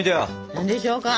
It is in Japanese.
何でしょうか？